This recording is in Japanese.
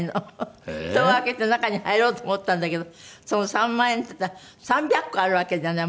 戸を開けて中に入ろうと思ったんだけどその３万円っていったら３００個あるわけじゃない？